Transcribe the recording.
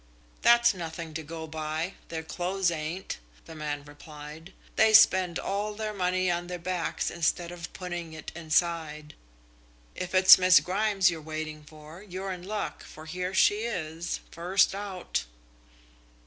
"That's nothing to go by, their clothes ain't," the man replied. "They spend all their money on their backs instead of putting it inside. If it's Miss Grimes you're waiting for, you're in luck, for here she is, first out."